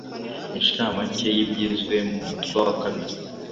Inshamake y’ibyizwe mu mutwe wa kabiri